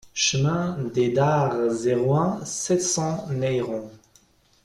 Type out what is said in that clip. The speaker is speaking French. Chemin des Dares, zéro un, sept cents Neyron